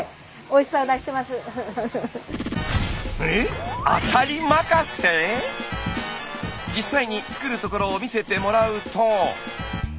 実際に作るところを見せてもらうと。